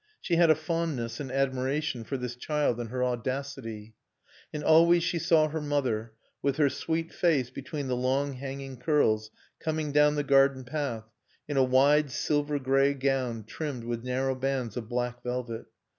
She had a fondness and admiration for this child and her audacity. And always she saw her mother, with her sweet face between the long, hanging curls, coming down the garden path, in a wide silver gray gown trimmed with narrow bands of black velvet.